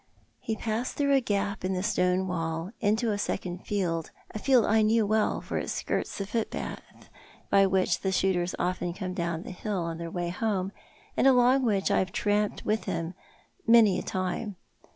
He passed through a gap in the stone wall into a second field— a field I know well, for it skirts the footpath by which the shooters often come down the hill on their way home, and along which I have tramped with them many a time.